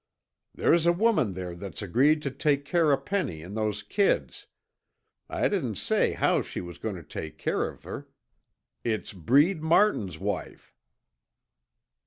"There's a woman there that's agreed to take care of Penny an' those kids. I didn't say how she was goin' to take care of her! It's Breed Martin's wife!"